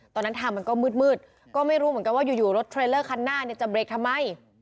ทางมันก็มืดก็ไม่รู้เหมือนกันว่าอยู่รถเทรลเลอร์คันหน้าเนี่ยจะเบรกทำไม